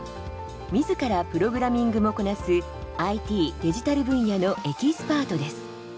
みずからプログラミングもこなすＩＴ・デジタル分野のエキスパートです。